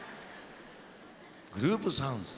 グループサウンズ。